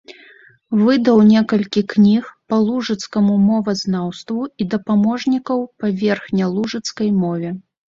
Выдаў некалькі кніг па лужыцкаму мовазнаўству і дапаможнікаў па верхнялужыцкай мове.